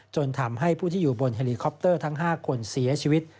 จนทำให้ผู้ที่อยู่บนเฮลิคอปเตอร์ทั้ง๕คนเสียชีวิต